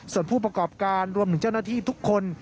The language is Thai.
ส่วนผู้ประกอบการรวมถึงเจ้าหน้าที่ทุกคน